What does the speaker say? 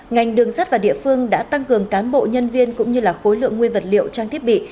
ngành đường sắt và địa phương đã tăng cường cán bộ nhân viên cũng như là khối lượng nguyên vật liệu trang thiết bị